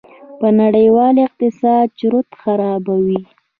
په نړېوال اقتصاد چورت خرابوي.